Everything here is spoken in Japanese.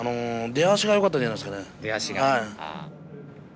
出足がよかったんじゃないですかね。